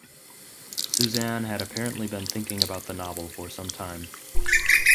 Susann had apparently been thinking about the novel for some time.